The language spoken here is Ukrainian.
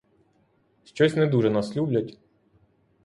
Щось не дуже нас люблять.